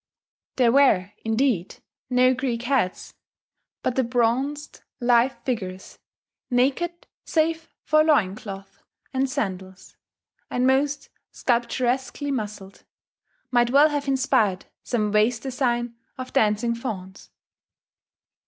There were, indeed, no Greek heads; but the bronzed lithe figures, naked save for loin cloth and sandals, and most sculpturesquely muscled, might well have inspired some vase design of dancing fauns.